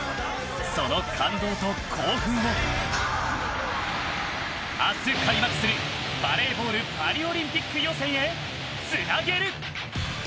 その感動と興奮を明日開幕するバレーボールパリオリンピック予選へつなげる。